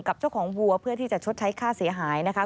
กับเจ้าของวัวเพื่อที่จะชดใช้ค่าเสียหายนะคะ